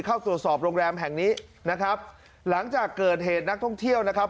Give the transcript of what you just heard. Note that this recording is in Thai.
เข้าตรวจสอบโรงแรมแห่งนี้นะครับหลังจากเกิดเหตุนักท่องเที่ยวนะครับ